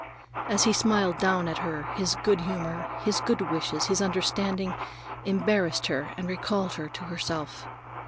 As he smiled down at her, his good humor, his good wishes, his understanding, embarrassed her and recalled her to herself.